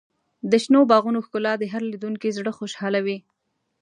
د شنو باغونو ښکلا د هر لیدونکي زړه خوشحالوي.